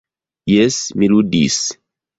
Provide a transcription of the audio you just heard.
Jes, mi ludis.